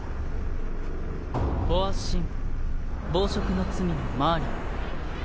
暴食の罪暴食の罪のマーリン。